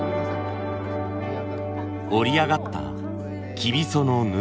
織り上がったきびその布。